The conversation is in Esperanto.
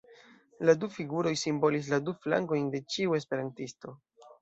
La du figuroj simbolis la du flankojn de ĉiu esperantisto.